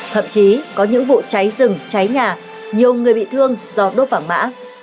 thậm chí có những vụ cháy rừng cháy nhà nhiều người bị thương do đốt vàng mã